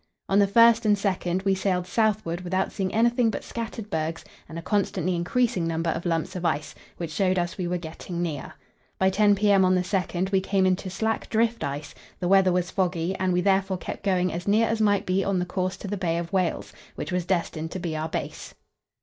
On the 1st and 2nd we sailed southward without seeing anything but scattered bergs and a constantly increasing number of lumps of ice, which showed us we were getting near. By 10 p.m. on the 2nd we came into slack drift ice; the weather was foggy, and we therefore kept going as near as might be on the course to the Bay of Whales, which was destined to be our base.